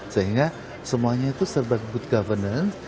sehingga semuanya itu server good governance